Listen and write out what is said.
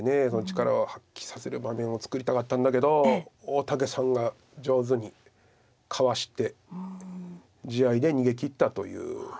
力を発揮させる場面を作りたかったんだけど大竹さんが上手にかわして地合いで逃げきったという。